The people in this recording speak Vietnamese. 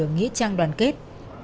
ở nghĩa trang đoàn kết